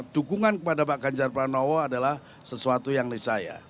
dukungan kepada pak ganjar pranowo adalah sesuatu yang nicaya